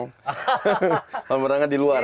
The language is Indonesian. kolam berenangnya di luar